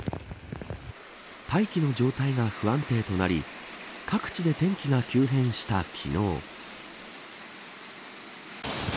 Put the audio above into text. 大気の状態が不安定となり各地で天気が急変した昨日。